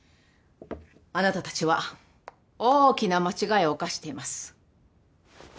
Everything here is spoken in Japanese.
あなたたちは大きな間違いを犯しています。